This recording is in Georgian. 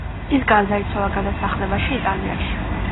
ის გარდაიცვალა გადასახლებაში, იტალიაში.